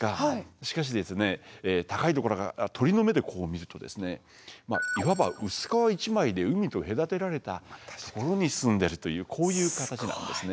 しかし高いところから鳥の目でこう見るといわば薄皮１枚で海と隔てられたところに住んでるというこういう形なんですね。